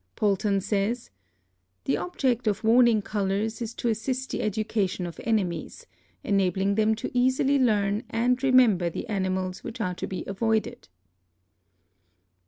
Poulton says: "The object of warning colors is to assist the education of enemies, enabling them to easily learn and remember the animals which are to be avoided."